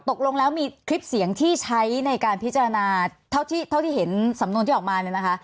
ตกลงแล้วมีคลิปเสียงที่ใช้ในการพิจารณาเท่าที่เห็นสำนวนที่ออกมาเนี่ยนะคะ